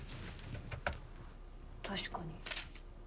確かに。